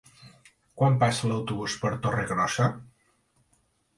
Quan passa l'autobús per Torregrossa?